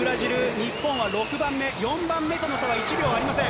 日本は６番目、４番目との差は１秒ありません。